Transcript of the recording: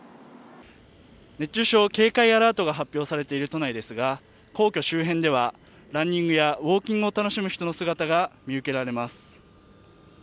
熱中症警戒アラートが発表されている都内ですが皇居周辺ではランニングやウオーキングを楽しむ人の姿が見受けられます。